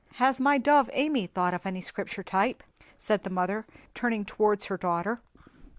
Has my dove Amy thought of any Scripture type?" said the mother, turning towards her young daughter.